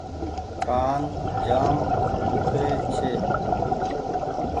ڪآن جآم ۮوکري ڇي ۔